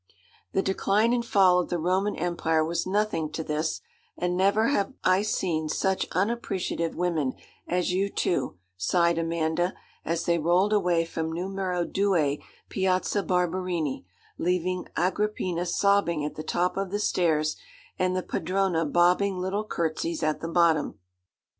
'The decline and fall of the Roman Empire was nothing to this, and never have I seen such unappreciative women as you two,' sighed Amanda, as they rolled away from Numero Due Piazza Barberini, leaving Agrippina sobbing at the top of the stairs and the padrona bobbing little curtsies at the bottom.